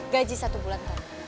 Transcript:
gaji satu bulan kamu